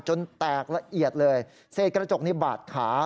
แตกละเอียดเลยเศษกระจกนี้บาดขา